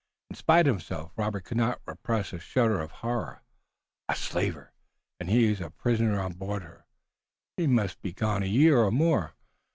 In spite of himself Robert could not repress a shudder of horror. A slaver and he a prisoner on board her! He might be gone a year or more.